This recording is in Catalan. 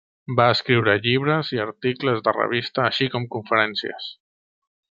Va escriure llibres i articles de revista així com conferències.